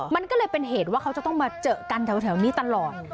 มันก็เลยเป็นเหตุว่าเขาจะต้องมาเจอกันแถวนี้ตลอด